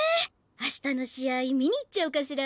あしたの試合見に行っちゃおうかしら。